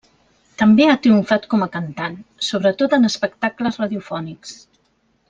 També ha triomfat com a cantant, sobretot en espectacles radiofònics.